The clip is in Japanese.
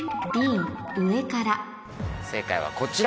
正解はこちら。